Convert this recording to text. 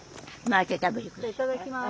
いただきます。